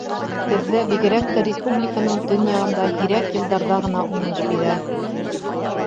Беҙҙә, бигерәк тә республиканың төньяғында, һирәк йылдарҙа ғына уңыш бирә.